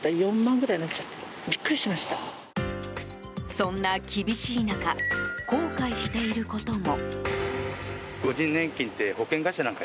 そんな厳しい中後悔していることも。